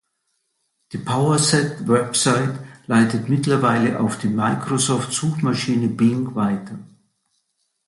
Die Powerset-Website leitet mittlerweile auf die Microsoft-Suchmaschine Bing weiter.